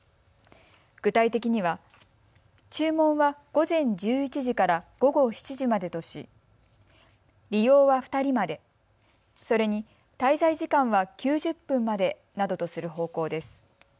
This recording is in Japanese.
具体的には注文は午前１１時から午後７時までとし利用は２人までそれに滞在時間は９０分までなどとする方向です。